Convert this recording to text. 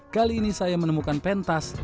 kali ini saya menemukan pentas